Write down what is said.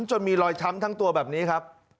จนมีรอยช้ำทั้งตัวแบบนี้ครับ